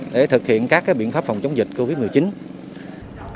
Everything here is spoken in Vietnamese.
để thực hiện các biện pháp phòng chống dịch covid một mươi chín